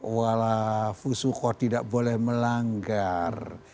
walafusukoh tidak boleh melanggar